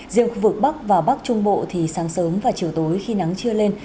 riêng khu vực bắc và bắc trung bộ thì sáng sớm và chiều tối khi nắng chưa lên